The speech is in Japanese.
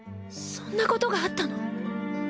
そんなことがあったの！？